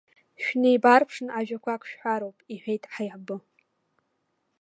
Шәнеибарԥшны ажәақәак шәҳәароуп иҳәеит ҳаиҳабы.